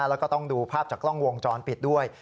แล้วก็ต้องดูภาพจากกล้องวงจรปิดด้วย